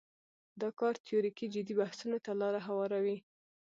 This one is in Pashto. دا کار تیوریکي جدي بحثونو ته لاره هواروي.